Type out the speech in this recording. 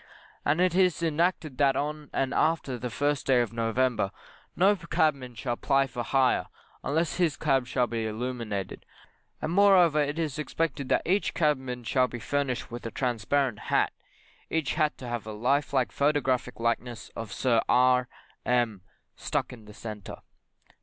And it is enacted that on and after the first day of November no cabman shall ply for hire, unless his cab shall be illuminated; and moreover, it is expected that each cabman shall be furnished with a transparent hat, each hat to have a life like photographic likeness of Sir R M stuck in the centre.